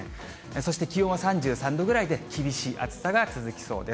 そして気温は３３度ぐらいで、厳しい暑さが続きそうです。